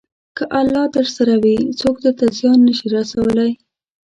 که الله درسره وي، څوک درته زیان نه شي رسولی.